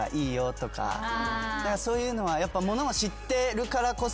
そういうのはやっぱ物を知ってるからこそ。